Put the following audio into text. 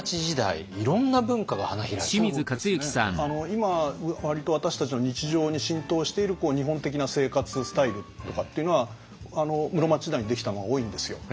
今割と私たちの日常に浸透している日本的な生活スタイルとかっていうのは室町時代にできたものが多いんですよ。